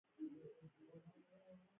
هغه اصلاً یو خیاط وو.